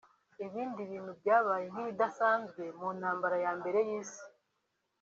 Ibindi bintu byabaye nk’ibidasanzwe mu ntambara ya Mbere y’Isi